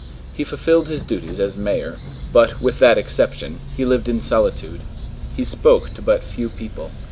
He fulfilled his duties as mayor; but, with that exception, he lived in solitude. He spoke to but few people.